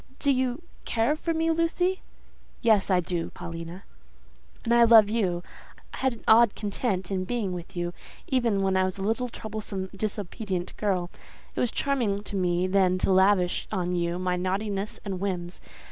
"Do you care for me, Lucy?" "Yes, I do, Paulina." "And I love you. I had an odd content in being with you even when I was a little, troublesome, disobedient girl; it was charming to me then to lavish on you my naughtiness and whims.